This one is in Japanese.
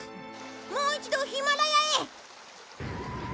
もう一度ヒマラヤへ！